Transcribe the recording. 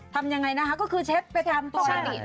ทำยังไงนะฮะก็คือเช็ดไปกลายทางตัว